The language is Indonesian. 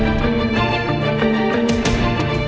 apa tadi ada yang masuk